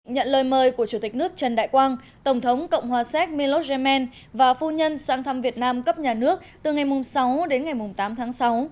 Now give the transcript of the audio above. nhận lời mời của chủ tịch nước trần đại quang tổng thống cộng hòa séc milos yemen và phu nhân sang thăm việt nam cấp nhà nước từ ngày sáu đến ngày tám tháng sáu